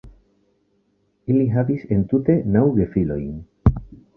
Ili havis entute naŭ gefilojn.